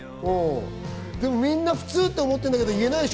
でも、みんな普通って思ったけど、言えないでしょ？